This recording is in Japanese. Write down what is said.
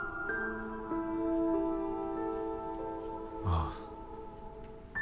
ああ。